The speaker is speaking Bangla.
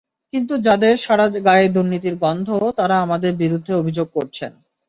কিন্তু যাঁদের সারা গায়ে দুর্নীতির গন্ধ, তাঁরা আমাদের বিরুদ্ধে অভিযোগ করছেন।